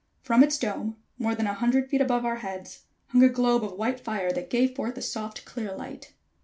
From its dome, more than a hundred feet above our heads, hung a globe of white fire that gave forth a soft clear light.